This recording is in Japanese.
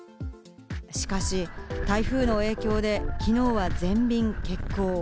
しかし、台風の影響で、きのうは全便欠航。